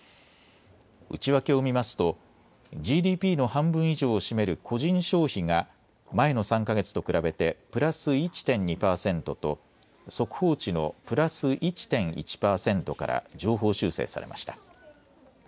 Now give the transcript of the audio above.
内訳を見ますとＧＤＰの半分以上を占める個人消費が前の３か月と比べてプラス１．２％と速報値のプラス１．１％から上方修正されました。